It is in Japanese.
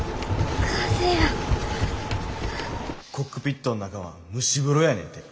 コックピットの中は蒸し風呂やねんて。